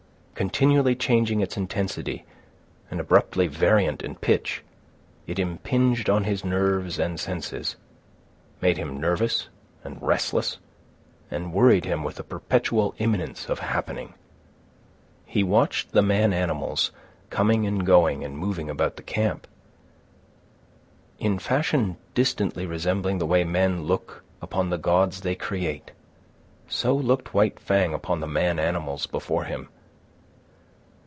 Continually changing its intensity and abruptly variant in pitch, it impinged on his nerves and senses, made him nervous and restless and worried him with a perpetual imminence of happening. He watched the man animals coming and going and moving about the camp. In fashion distantly resembling the way men look upon the gods they create, so looked White Fang upon the man animals before him.